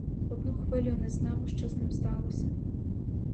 Одну хвилю не знав, що з ним сталося.